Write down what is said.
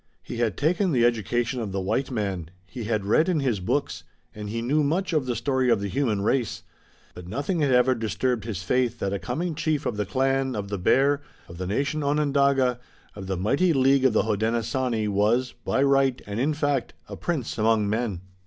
He had taken the education of the white man, he had read in his books and he knew much of the story of the human race, but nothing had ever disturbed his faith that a coming chief of the clan of the Bear, of the nation Onondaga, of the mighty League of the Hodenosaunee was, by right, and in fact, a prince among men.